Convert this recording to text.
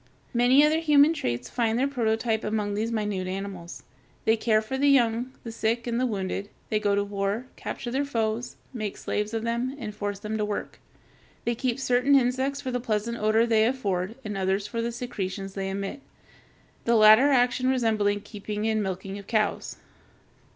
Many other human traits find their prototype among these minute animals. They care for the young, the sick, and the wounded; they go to war, capture their foes, make slaves of them, and force them to work. They keep certain insects for the pleasant odor they afford and others for the secretions they emit, the latter action resembling keeping and milking cows.